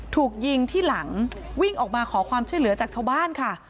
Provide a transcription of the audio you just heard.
ถูกยิงที่หลังวิ่งออกมาขอความช่วยเหลือจากชาวบ้านค่ะ